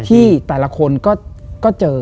ที่แต่ละคนก็เจอ